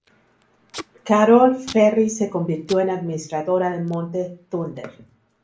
Carol Ferris se convirtió en administradora de Monte Thunder.